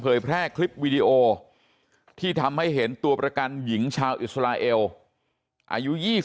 แพร่คลิปวิดีโอที่ทำให้เห็นตัวประกันหญิงชาวอิสราเอลอายุ๒๒